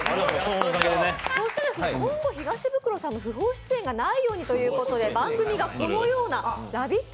今後東ブクロさんの不法出演がないようにということで、番組がこのような「ラヴィット！」